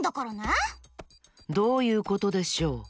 どういうことでしょう？